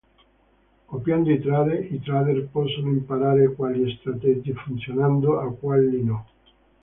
Copiando i trade, i trader possono imparare quali strategie funzionano e quali no.